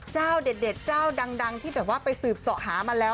เจ้าเด็ดเจ้าดังที่แบบว่าไปสืบเสาะหามาแล้ว